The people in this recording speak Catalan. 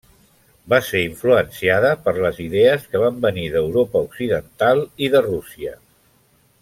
Va ser influenciada per les idees que van venir d'Europa Occidental i de Rússia.